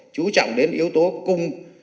chú trọng đến yếu tố cung